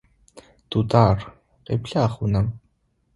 Дудар, къеблагъ унэм!